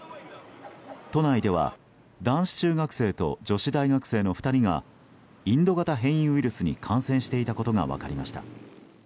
都内では男子中学生と女子大学生の２人がインド型変異ウイルスに感染していたことが分かりました。